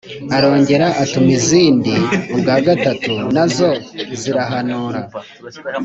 Arongera atuma izindi ubwa gatatu, na zo zirahanura.